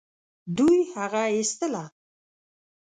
دوی هغه ايستله.